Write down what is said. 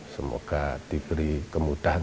semoga diberi kemuliaan